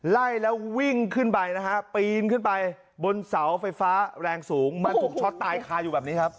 ไล่แล้ววิ่งขึ้นไปนะฮะปีนขึ้นไปบนเสาไฟฟ้าแรงสูงมันถูกช็อตตายคาอยู่แบบนี้ครับ